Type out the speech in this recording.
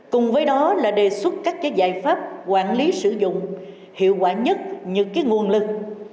cùng với đó là đề xuất các giải pháp quản lý sử dụng hiệu quả nhất những nguồn lực